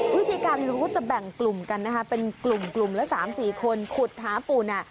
วิธีการนี้ก็จะแบ่งกลุ่มกันนะคะเป็นกลุ่มแล้ว๓๔คนขุดหาปูนา